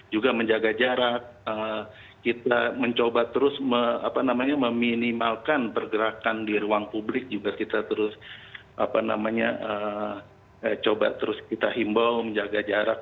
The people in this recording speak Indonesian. juga menjaga jarak kita mencoba terus meminimalkan pergerakan di ruang publik juga kita terus coba terus kita himbau menjaga jarak